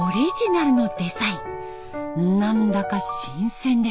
何だか新鮮です。